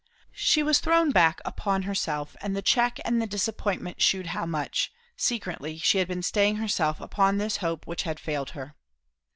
She was thrown back upon herself; and the check and the disappointment shewed how much, secretly she had been staying herself upon this hope which had failed her.